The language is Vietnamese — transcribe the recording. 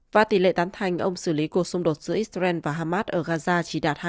và tỷ lệ tán thành ông xử lý cuộc xung đột giữa israel và hamas ở gaza chỉ đạt hai mươi